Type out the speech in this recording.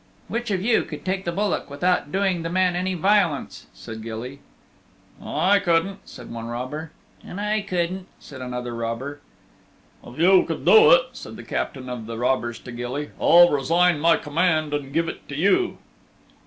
"Which of you could take the bullock without doing the man any violence?" said Gilly. "I couldn't," said one robber, and "I couldn't," said another robber. "If you could do it," said the Captain of the Robbers to Gilly, "I'll resign my command and give it to you."